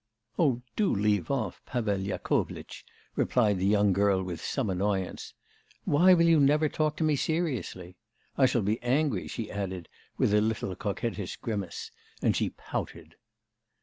'Oh, do leave off, Pavel Yakovlitch,' replied the young girl with some annoyance. 'Why will you never talk to me seriously? I shall be angry,' she added with a little coquettish grimace, and she pouted.